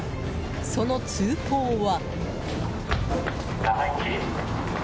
その通報は。